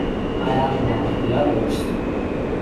I’m one of the others.